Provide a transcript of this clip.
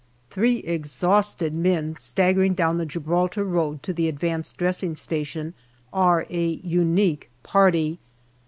Three exhausted men staggering down the Gibraltar road to the advanced dressing station are a unique party.